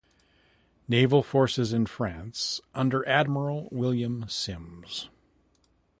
Naval Forces in France under Admiral William Sims.